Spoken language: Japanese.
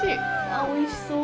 あっ、おいしそう。